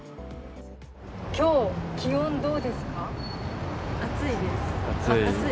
今日、気温どうですか。